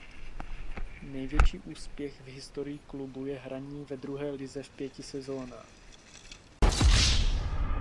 Největší úspěch v historii klubu je hraní ve druhé lize v pěti sezonách.